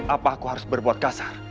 apa aku harus berbuat kasar